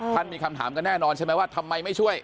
มีคำถามกันแน่นอนใช่ไหมว่าทำไมไม่ช่วย